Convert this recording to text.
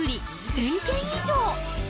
１０００件以上！